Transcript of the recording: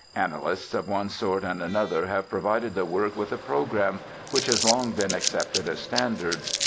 Analysts of one sort and another have provided the work with a program, which has long been accepted as standard.